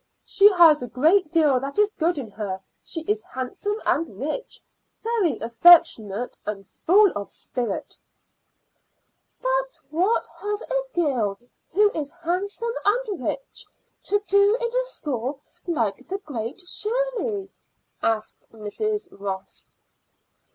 "She has a great deal that is good in her; she is handsome and rich, very affectionate, and full of spirit." "But what has a girl who is handsome and rich to do in a school like the Great Shirley?" asked Mrs. Ross.